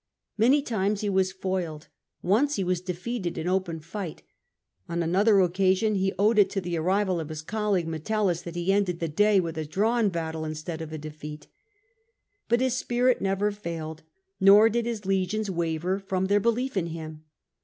Many times he was foiled, once he was defeated in open fight: on another occasion he owed it to the arrival of his colleague Metellus that he ended the day with a drawn battle instead of a defeat. But his spirit never failed, nor did his legions waver from their belief in him.